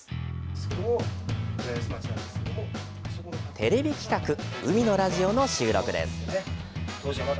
テレビ企画「海のラジオ」の収録です。